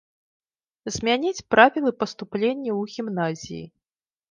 Змяніць правілы паступлення ў гімназіі.